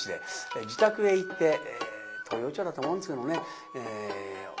自宅へ行って東陽町だと思うんですけどもね教わりました。